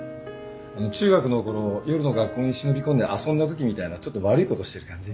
あの中学のころ夜の学校に忍び込んで遊んだときみたいなちょっと悪いことしてる感じ。